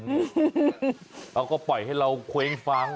แล้วก็ปล่อยให้เราเคว้งฟ้าง